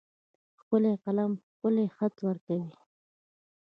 ښکلی قلم ښکلی خط ورکوي.